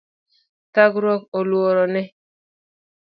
Thagruok oluro ne